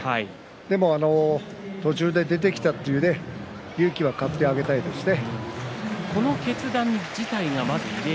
でも途中で出てきたという勇気は買ってあげたいですね。